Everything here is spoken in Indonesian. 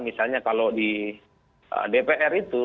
misalnya kalau di dpr itu